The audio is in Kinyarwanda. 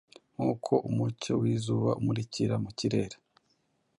nk’uko umucyo w’izuba umurikira mu kirere